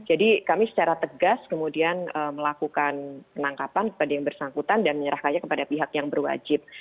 jadi kami secara tegas kemudian melakukan penangkapan kepada yang bersangkutan dan menyerahkannya kepada pihak yang berwajib